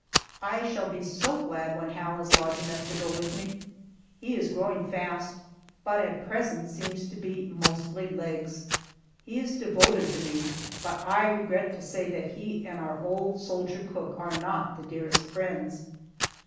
I shall be so glad when Hal is large enough to go with me. He is growing fast, but at present seems to be mostly legs. He is devoted to me, but I regret to say that he and our old soldier cook are not the dearest friends.